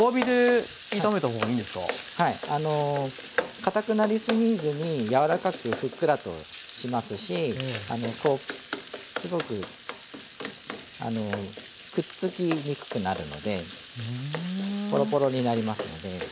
かたくなりすぎずに柔らかくふっくらとしますしすごくくっつきにくくなるのでポロポロになりますので。